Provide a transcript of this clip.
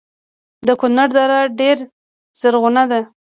د کونړ دره ډیره زرغونه ده